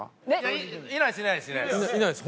いないですいないです。